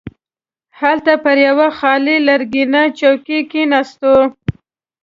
هلته پر یوه خالي لرګینه چوکۍ کښیناستو.